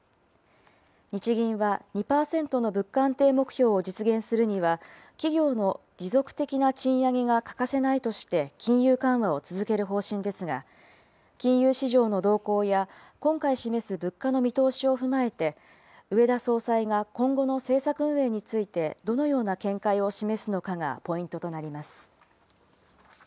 日銀は２％の物価安定目標を実現するには、企業の持続的な賃上げが欠かせないとして金融緩和を続ける方針ですが、金融市場の動向や今回示す物価の見通しを踏まえて、植田総裁が今後の政策運営についてどのような見解を示すのかがポイントとなります。